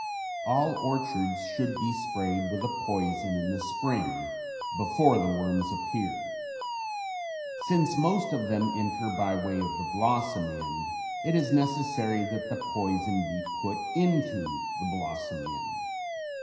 All orchards should be sprayed with a poison in the spring before the worms appear. Since most of them enter by way of the blossom end, it is necessary that the poison be put into the blossom end.